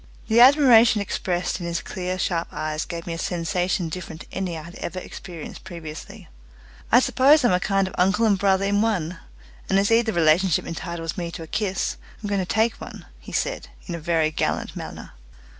The admiration expressed in his clear sharp eyes gave me a sensation different to any I had ever experienced previously. "I suppose I'm a kind of uncle and brother in one, and as either relationship entitles me to a kiss, I'm going to take one," he said in a very gallant manner.